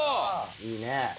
いいね。